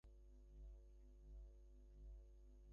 সে কালো জাদুর দ্বারা সম্মোহিত হয়েছে।